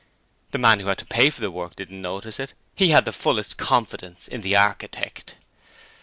The man who had to pay for the work didn't notice it; he had the fullest confidence in the architect.